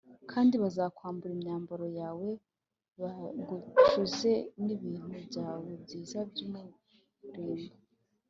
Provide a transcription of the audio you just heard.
kandi bazakwambura imyambaro yawe, bagucuze n’ibintu byawe byiza by’umurimbo